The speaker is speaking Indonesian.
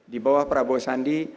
di bawah prabowo sandi